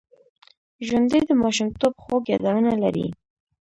ژوندي د ماشومتوب خوږ یادونه لري